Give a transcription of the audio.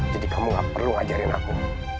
jadi kamu gak perlu ngajarin aku